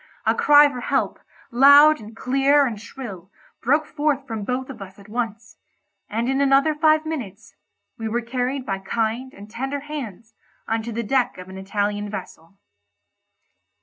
A cry for help—loud and clear and shrill—broke forth from both of us at once; and in another five minutes we were carried by kind and tender hands on to the deck of an Italian vessel.